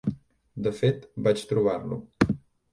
De fet, vaig trobar-lo.